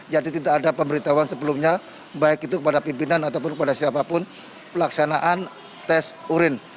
jadi tidak ada pemberitahuan sebelumnya baik itu kepada pimpinan ataupun kepada siapapun pelaksanaan tes urin